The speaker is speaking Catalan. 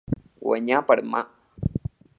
Guanyar per mà.